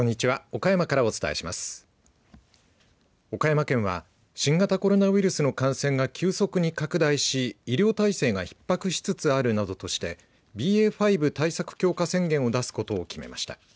岡山県は新型コロナウイルスの感染が急速に拡大し、医療体制がひっ迫しつつあるなどとしてＢＡ．５対策強化宣言を出すことを決めました。